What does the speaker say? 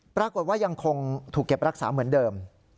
ปรากฏว่ายังคงถูกเก็บรักษาเหมือนเดิม